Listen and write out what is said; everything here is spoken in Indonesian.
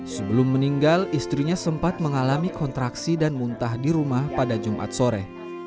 sebelum meninggal istrinya sempat mengalami kontraksi dan muntah di rumah pada jumat sore